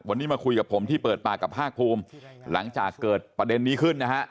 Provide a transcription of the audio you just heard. วันนี้มาคุยกับผมที่เปิดปากกับภาคภูมิหลังจากเกิดประเด็นนี้ขึ้นนะฮะ